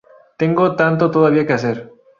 Tengo tanto todavía que hacer"".